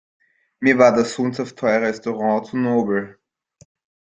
Mir war das sündhaft teure Restaurant zu nobel.